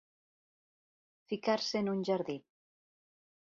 Ficar-se en un jardí.